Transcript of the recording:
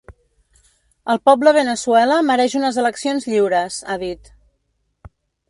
El poble Veneçuela mereix unes eleccions lliures, ha dit.